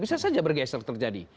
bisa saja bergeser terjadi